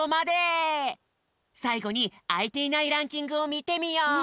さいごにあいていないランキングをみてみよう！